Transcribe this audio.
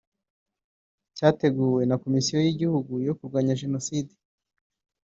cyateguwe na Komisiyo y’igihugu yo kurwanya Jenoside